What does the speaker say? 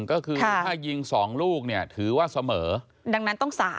ก็คือถ้ายิง๒ลูกเนี่ยถือว่าเสมอดังนั้นต้อง๓